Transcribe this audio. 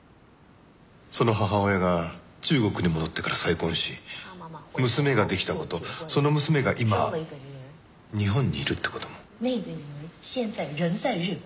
その母親が中国に戻ってから再婚し娘が出来た事その娘が今日本にいるって事も。